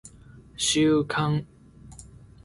収監